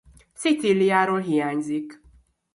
Szicíliáról hiányzik.